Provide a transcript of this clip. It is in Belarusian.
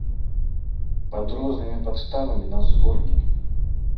Пад рознымі падставамі нас звольнілі.